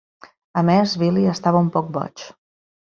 A més, Billy estava un poc boig.